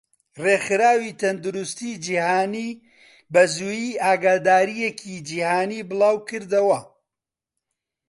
ڕێخراوی تەندروستی جیهانی بەزوویی ئاگاداریەکی جیهانی بڵاوکردەوە.